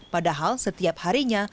padahal setiap harinya